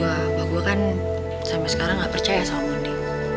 abah gue kan sampe sekarang gak percaya sama mondi